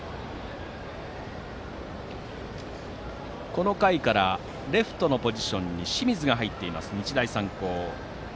この回からレフトのポジションに清水が入っている日大三高。